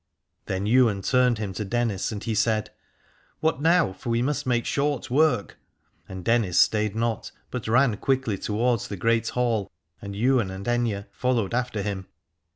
Then Ywain turned him to Dennis, and he said : What now ? for we must make short work. And Dennis stayed not, but ran quickly towards the great Hall, and Ywain and Aithne followed after him.